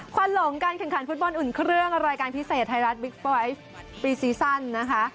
วันหลงการแข่งขันฟุตบอลอุ่นเครื่องรายการพิเศษไทยรัฐบิ๊กปอยซ์ปีซีซั่นนะคะ